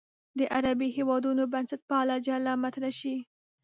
د عربي هېوادونو بنسټپالنه جلا مطرح شي.